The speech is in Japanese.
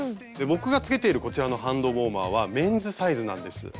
僕がつけているこちらのハンドウォーマーはメンズサイズなんです。